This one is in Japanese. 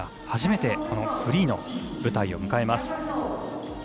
初めてフリーの舞台を迎えます。